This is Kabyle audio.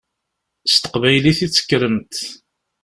S teqbaylit i d-tekkremt.